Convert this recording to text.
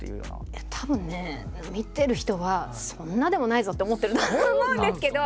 いやたぶんね見てる人はそんなでもないぞって思ってるんだと思うんですけど。